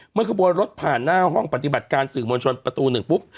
ขบวนรถผ่านหน้าห้องปฏิบัติการสื่อมวลชนประตูหนึ่งปุ๊บ